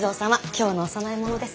今日のお供え物です。